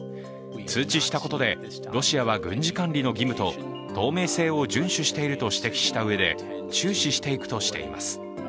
通知したことでロシアは軍事管理の義務と透明性を順守していくとしたうえで、注視していくとしています。